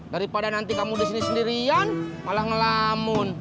daripada nanti kamu di sini sendirian malah ngelamun